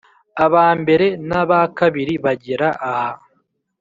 aba mbere n aba kabiri bagera aha